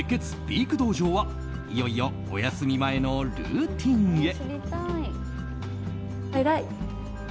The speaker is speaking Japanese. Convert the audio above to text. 美育道場はいよいよおやすみ前のルーティンへ。